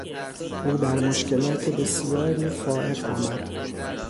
او بر مشکلات بسیاری فائق آمد.